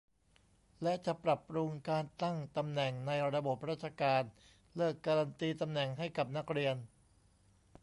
และจะปรับปรุงการตั้งตำแหน่งในระบบราชการ เลิกการันตีตำแหน่งให้กับนักเรียน